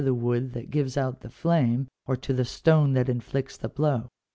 801 the wood that gives out the flame, or to the stone that inflicts the blow.